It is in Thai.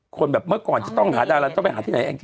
คนแบบเมื่อก่อนจะต้องหาดาราต้องไปหาที่ไหนแองจี